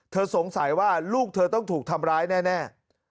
สงสัยว่าลูกเธอต้องถูกทำร้ายแน่